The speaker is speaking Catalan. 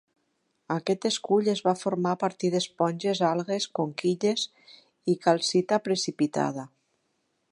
Aquest escull es va formar a partir d'esponges, algues, conquilles i calcita precipitada.